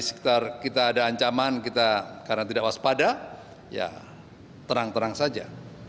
sekitar kita ada ancaman kita karena tidak waspada ya terang terang saja